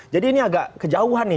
jadi ini agak kejauhan nih